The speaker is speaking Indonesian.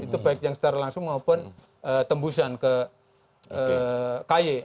itu baik yang secara langsung maupun tembusan ke kay